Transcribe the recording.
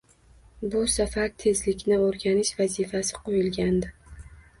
Bu safar tezlikni o‘rganish vazifasi qo‘yilgandi